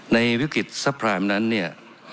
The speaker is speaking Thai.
ในวิกฤตซัพพรามนั้นเนี่ย